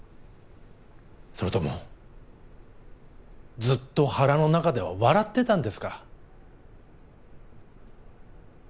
それともずっと腹の中では笑ってたんですか？